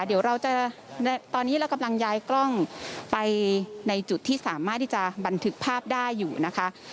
เดี๋ยวเราจะตอนนี้เรากำลังย้ายกล้องไปในจุดที่สามารถที่จะบันทึกภาพได้อยู่นะคะ